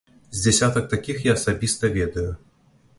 З дзясятак такіх я асабіста ведаю.